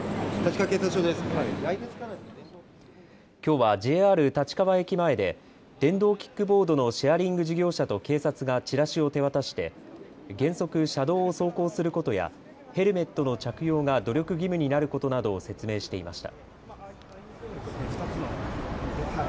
きょうはＪＲ立川駅前で電動キックボードのシェアリング事業者と警察がチラシを手渡して原則、車道を走行することやヘルメットの着用が努力義務になることなどを説明していました。